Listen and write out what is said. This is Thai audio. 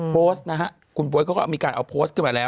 โพสต์นะฮะคุณบ๊วยเขาก็มีการเอาโพสต์ขึ้นมาแล้ว